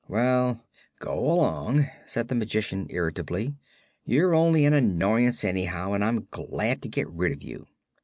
"Well, go along," said the Magician, irritably. "You're only an annoyance, anyhow, and I'm glad to get rid of you."